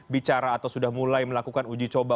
bicara atau sudah mulai melakukan uji coba